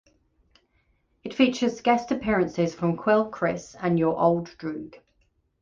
It features guest appearances from Quelle Chris and Your Old Droog.